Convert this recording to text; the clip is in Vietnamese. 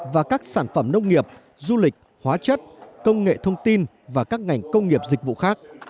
và các sản phẩm nông nghiệp du lịch hóa chất công nghệ thông tin và các ngành công nghiệp dịch vụ khác